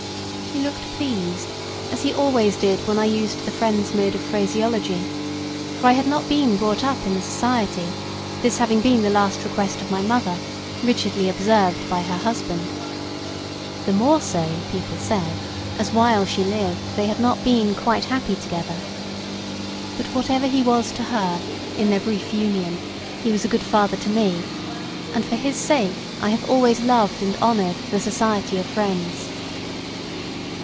He looked pleased, as he always did when I used the Friends' mode of phraseology for I had not been brought up in the Society; this having been the last request of my mother, rigidly observed by her husband. The more so, people said, as while she lived they had not been quite happy together. But whatever he was to her, in their brief union, he was a good father to me, and for his sake I have always loved and honoured the Society of Friends.